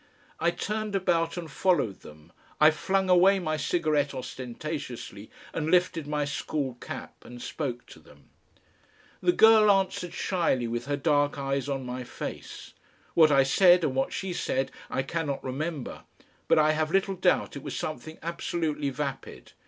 I turned about and followed them, I flung away my cigarette ostentatiously and lifted my school cap and spoke to them. The girl answered shyly with her dark eyes on my face. What I said and what she said I cannot remember, but I have little doubt it was something absolutely vapid.